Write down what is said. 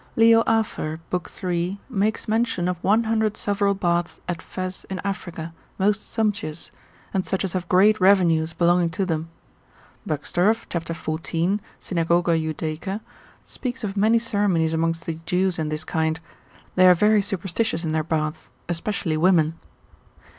Leo Afer. l. 3. makes mention of one hundred several baths at Fez in Africa, most sumptuous, and such as have great revenues belonging to them. Buxtorf. cap. 14, Synagog. Jud. speaks of many ceremonies amongst the Jews in this kind; they are very superstitious in their baths, especially women.